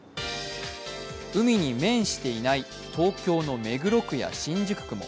海に面していない東京の目黒区や新宿区も。